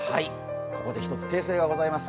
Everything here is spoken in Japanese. ここで一つ訂正がございます。